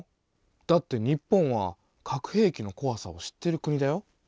だって日本は核兵器のこわさを知っている国だよ。